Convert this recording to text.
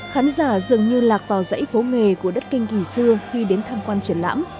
khán giả dường như lạc vào dãy phố nghề của đất kinh kỳ xưa khi đến tham quan triển lãm